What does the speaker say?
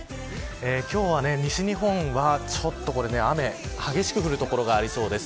今日の西日本は雨激しく降る所がありそうです。